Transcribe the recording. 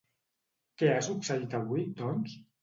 Què ha succeït avui, doncs?